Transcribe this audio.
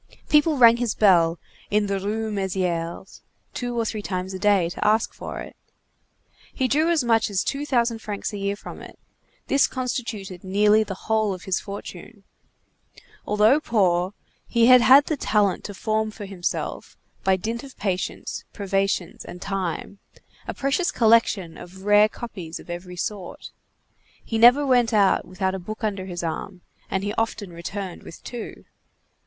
People rang his bell, in the Rue Mésières, two or three times a day, to ask for it. He drew as much as two thousand francs a year from it; this constituted nearly the whole of his fortune. Although poor, he had had the talent to form for himself, by dint of patience, privations, and time, a precious collection of rare copies of every sort. He never went out without a book under his arm, and he often returned with two.